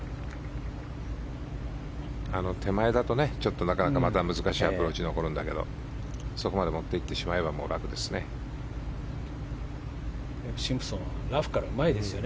手前だと、なかなかまた難しいアプローチが残るんだけどそこまで持っていってしまえば楽ですね。